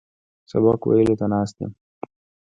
سبق ویلو ته ناست یم.